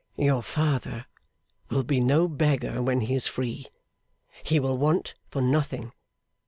'Your father will be no beggar when he is free. He will want for nothing.